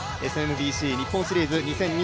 ＳＭＢＣ日本シリーズ２０２２